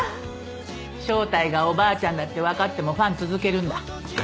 正体がおばあちゃんだってわかってもファン続けるんだ？